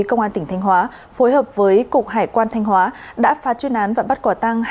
công an tỉnh thanh hóa phối hợp với cục hải quan thanh hóa đã phá chuyên án và bắt quả tăng